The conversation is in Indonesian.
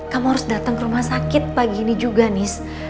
kamu harus datang ke rumah sakit pagi ini juga nih